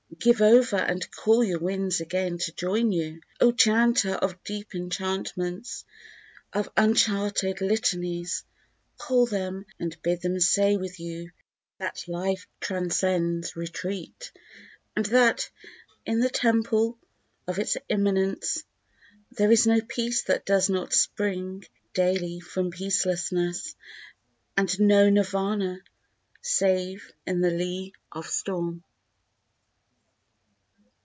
Give over and call your winds again to join you! O chanter of deep enchantments, of uncharted litanies, Call them and bid them say with you that life transcends retreat, And that, in the temple of its Immanence, There is no peace that does not spring daily from peacelessness, And no Nirvana save in the lee of storm.